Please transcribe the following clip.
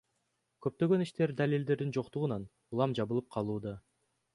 Көптөгөн иштер далилдердин жоктугунан улам жабылып калууда.